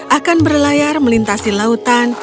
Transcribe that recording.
akan berlayar melintasi lautan